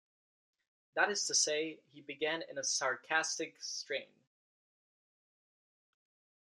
That is to say, he began in a sarcastic strain.